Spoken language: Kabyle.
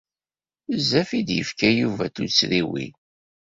Bezzaf i d-yefka Yuba d tuttriwin.